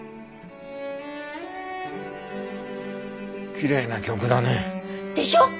きれいな曲だね。でしょ？